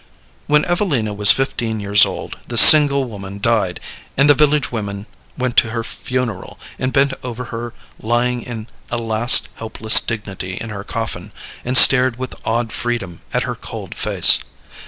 When Evelina was fifteen years old this single woman died, and the village women went to her funeral, and bent over her lying in a last helpless dignity in her coffin, and stared with awed freedom at her cold face.